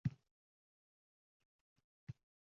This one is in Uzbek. Tuqqiz oi vujuding ilk Vatan bulgan